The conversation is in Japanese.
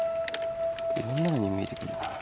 いろんなのに見えて来るな。